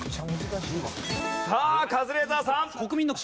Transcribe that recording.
さあカズレーザーさん。